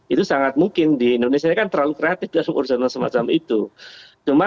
itu sangat mungkin di indonesia ini kan terlalu kreatif dalam urusan semacam itu